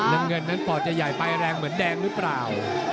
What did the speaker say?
น้ำเงินนั้นปอดจะใหญ่ไปแรงเหมือนแดงหรือเปล่า